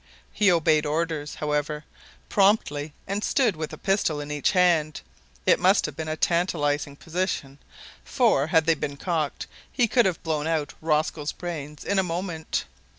He obeyed orders, however, promptly, and stood with a pistol in each hand. It must have been a tantalising position, for, had they been cocked, he could have blown out Rosco's brains in a moment.